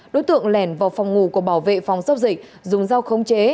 đối tượng lèn vào phòng ngủ của bảo vệ phòng giao dịch dùng dao khống chế